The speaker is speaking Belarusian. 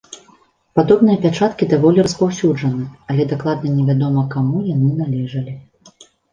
Падобныя пячаткі даволі распаўсюджаны, але дакладна не вядома каму яны належалі.